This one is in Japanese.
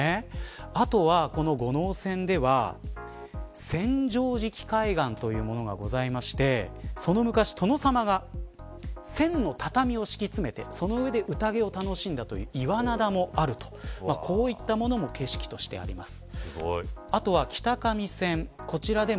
あとは、この五能線では千畳敷海岸というものがございましてその昔、殿さまが千の畳を敷き詰めてその上で宴を楽しんだという岩だなもあるとこういったものも景色としてあります。